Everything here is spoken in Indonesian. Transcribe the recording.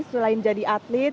selain jadi atlet